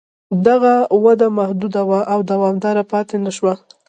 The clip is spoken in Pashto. دغه وده محدوده وه او دوامداره پاتې نه شوه.